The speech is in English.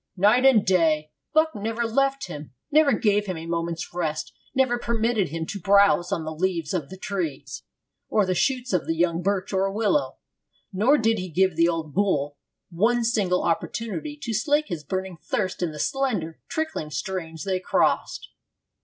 'Night and day, Buck never left him, never gave him a moment's rest, never permitted him to browse on the leaves of the trees or the shoots of the young birch or willow. Nor did he give the old bull one single opportunity to slake his burning thirst in the slender, trickling streams they crossed.'